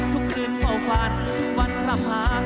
ถุกคืนเผาฝันทุกวันหลับหา